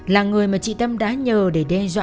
là người mà chị tâm đã nhờ để đe dọa